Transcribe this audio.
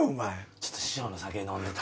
ちょっと師匠の酒飲んでた。